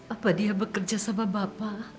apa dia bekerja sama bapak